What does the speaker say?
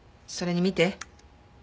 それに見て。